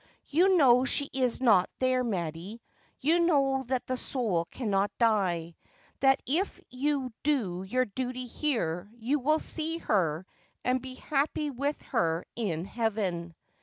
You know she is not there, Mattie. You know that the soul cannot die, that if you do your duty here you will see her and be happy with her in heaven.'